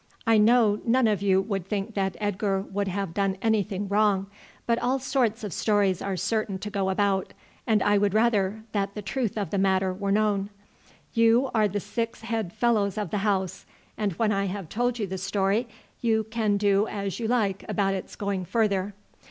"I know none of you would think that Edgar would have done anything wrong, but all sorts of stories are certain to go about, and I would rather that the truth of the matter were known. You are the six head fellows of the house, and when I have told you the story you can do as you like about its going further."